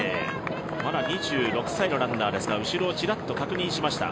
まだ２６歳のランナーですが後ろをちらっと確認しました。